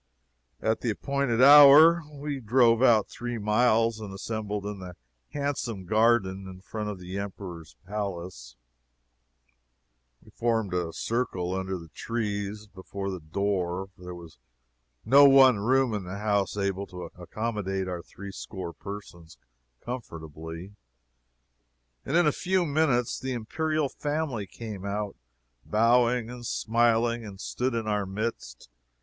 At the appointed hour we drove out three miles, and assembled in the handsome garden in front of the Emperor's palace. We formed a circle under the trees before the door, for there was no one room in the house able to accommodate our three score persons comfortably, and in a few minutes the imperial family came out bowing and smiling, and stood in our midst.